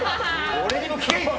俺にも聞けい！